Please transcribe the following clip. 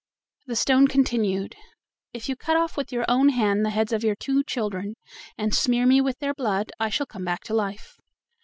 The stone continued: "If you cut off with your own hand the heads of your two children, and smear me with their blood, I shall come back to life."